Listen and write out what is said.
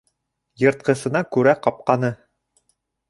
Йыртҡысына күрә ҡапҡаны.